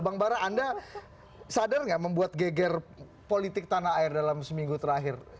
bang bara anda sadar nggak membuat geger politik tanah air dalam seminggu terakhir